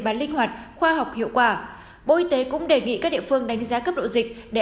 bán linh hoạt khoa học hiệu quả bộ y tế cũng đề nghị các địa phương đánh giá cấp độ dịch để